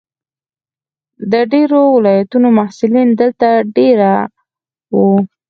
د ډېرو ولایتونو محصلین دلته دېره وو.